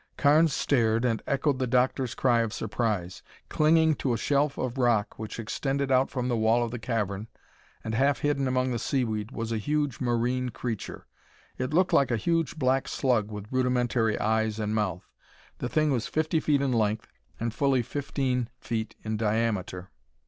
Carnes stared and echoed the Doctor's cry of surprise. Clinging to a shelf of rock which extended out from the wall of the cavern and half hidden among the seaweed was a huge marine creature. It looked like a huge black slug with rudimentary eyes and mouth. The thing was fifty feet in length and fully fifteen feet in diameter.